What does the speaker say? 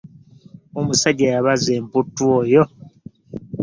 Omusajja yabaza emputtu oyo!